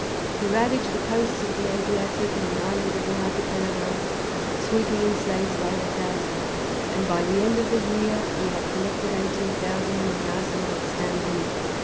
He ravaged the coasts of the Adriatic and the islands of the Archipelago, sweeping in slaves by the thousand, and by the end of the year he had collected eighteen thousand in the arsenal at Stamboul.